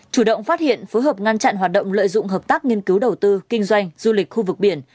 chủ động phát hiện phối hợp ngăn chặn hoạt động lợi dụng hợp tác nghiên cứu đầu tư kinh doanh du lịch khu vực biển